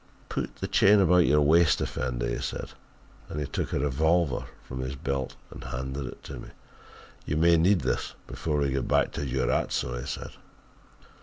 'Put the chain about your waist, Effendi,' he said, and he took a revolver from his belt and handed it to me. "'You may need this before we get back to Durazzo,' he said.